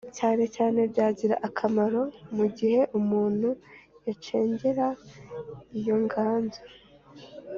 cyane cyane byagira akamaro mu gihe umuntu yacengera iyo nganzo,